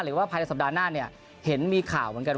หรือว่าภายในสัปดาห์หน้าเนี่ยเห็นมีข่าวเหมือนกัน